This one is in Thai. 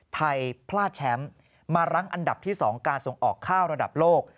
ไทยพลาดแชมป์มารั้งอันดับที่๒การส่งออกข้าวระดับโลก